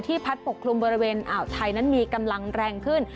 พัดปกคลุมบริเวณอ่าวไทยนั้นมีกำลังแรงขึ้น